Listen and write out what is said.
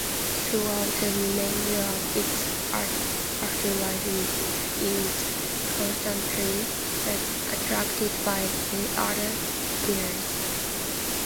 Throughout the remainder of its afterlife it is constantly attacked by the other bears.